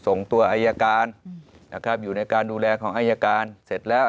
ส่งตัวอายการนะครับอยู่ในการดูแลของอายการเสร็จแล้ว